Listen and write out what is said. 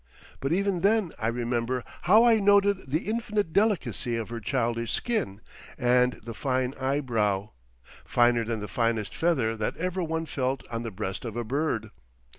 But even then I remember how I noted the infinite delicacy of her childish skin and the fine eyebrow, finer than the finest feather that ever one felt on the breast of a bird.